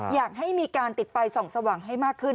อยากให้มีการติดไฟส่องสว่างให้มากขึ้น